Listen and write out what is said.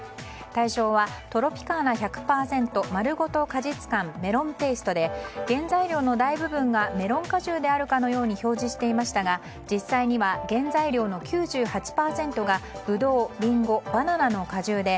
対象はトロピカーナ１００％まるごと果実感メロンテイストで原材料の大部分がメロン果汁であるかのように表示していましたが実際には原材料の９８％がブドウ、リンゴ、バナナの果汁で